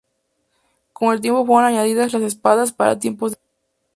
Con el tiempo fueron añadidas las espadas para tiempos de guerra.